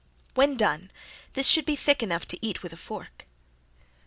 When done this should be thick enough to be eaten with a fork.